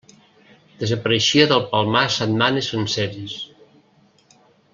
Desapareixia del Palmar setmanes senceres.